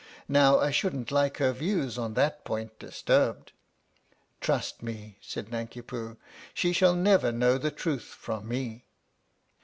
Now I shouldn't like her views on that point disturbed." "Trust me," said Nanki Poo, "she shall never know the truth from me."